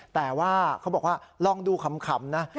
แต่ว่าเขาบอกว่าลองดูขำนะ